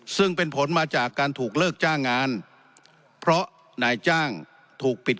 ซึ่งเป็นผลมาจากการถูกเลิกจ้างงานเพราะนายจ้างถูกปิด